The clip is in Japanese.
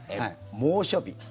猛暑日。